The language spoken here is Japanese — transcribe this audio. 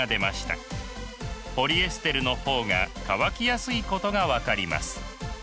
ポリエステルの方が乾きやすいことが分かります。